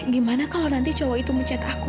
gimana kalau nanti cowok itu mencetak aku